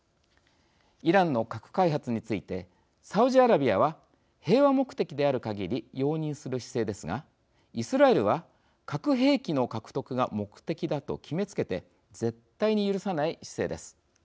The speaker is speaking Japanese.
イランの核開発についてサウジアラビアは平和目的であるかぎり容認する姿勢ですがイスラエルは、核兵器の獲得が目的だと決めつけて絶対に許さない姿勢です。